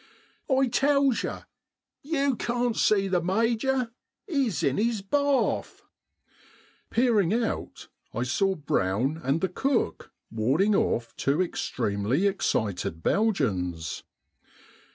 " I tells you, you can't see the Major. 'E's in 'is bath." Peering out, I saw Brown and the cook warding off two extremely ex cited Belgians.